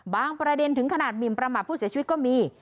ประเด็นถึงขนาดหมินประมาทผู้เสียชีวิตก็มี